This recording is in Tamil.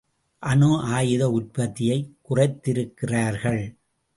அணு ஆயுத உற்பத்தியைக் குறைத்திருக்கிறார்கள்.